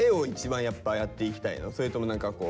何か今それとも何かこう。